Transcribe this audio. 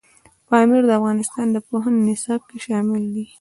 پامیر د افغانستان د پوهنې نصاب کې شامل دي.